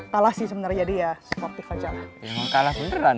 kalah sih sebenarnya dia sportif aja